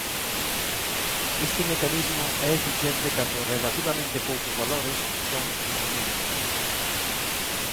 Este mecanismo é eficiente cando relativamente poucos valores son non nulos.